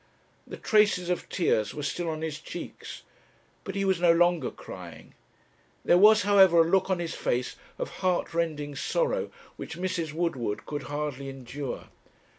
The traces of tears were still on his cheeks, but he was no longer crying; there was, however, a look on his face of heart rending sorrow which Mrs. Woodward could hardly endure.